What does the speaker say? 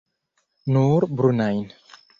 Nur brunajn.